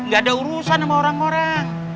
gak ada urusan sama orang orang